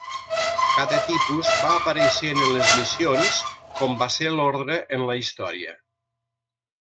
Cada tipus va apareixent en les missions, com va ser l'ordre en la història.